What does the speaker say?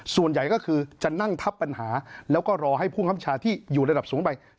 ส่วนใหญ่ก็คือจะนั่งทับปัญหาแล้วก็รอให้ผู้คำชาที่อยู่ระดับสูงไป